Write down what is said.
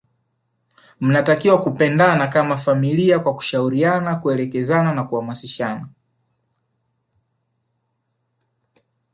mnatakiwa kupendana kama familia kwa kushauriana kuelekezana na kuhamasishana